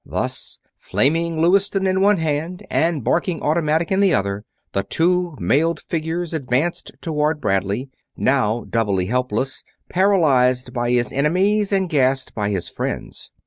Thus, flaming Lewiston in one hand and barking automatic in the other, the two mailed figures advanced toward Bradley, now doubly helpless; paralyzed by his enemies and gassed by his friends.